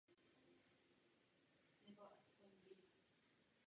Líza vede tým pomocí výpočtů a logických rozkazů.